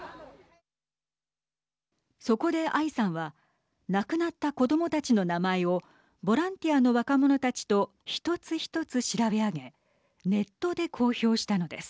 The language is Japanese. そこでアイさんは亡くなった子どもたちの名前をボランティアの若者たちと一つ一つ調べ上げネットで公表したのです。